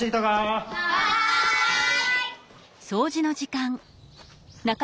はい！